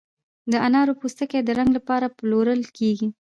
د انارو پوستکي د رنګ لپاره پلورل کیږي؟